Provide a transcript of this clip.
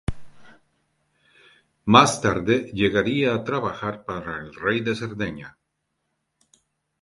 Más tarde llegaría a trabajar para el Rey de Cerdeña.